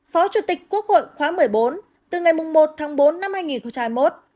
phó chủ tịch quốc hội khóa một mươi bốn từ ngày một tháng bốn năm hai nghìn một